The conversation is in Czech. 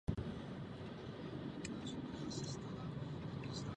Encyklika též odsuzuje umělou antikoncepci a umělé oplodnění.